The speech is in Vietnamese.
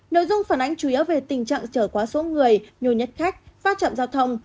nội dung phản ánh chủ yếu về tình trạng chở quá số người nhiều nhất khách phát trạm giao thông